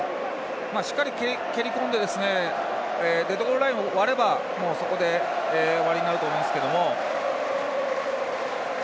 しっかり蹴り込んでデッドボールラインを割ればそこで終わりになると思うんですけれども。